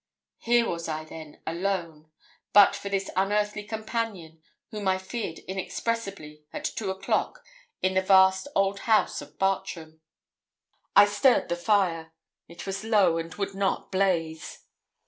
Here was I then alone, but for this unearthly companion, whom I feared inexpressibly, at two o'clock, in the vast old house of Bartram. I stirred the fire. It was low, and would not blaze.